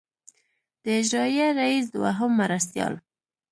د اجرائیه رییس دوهم مرستیال.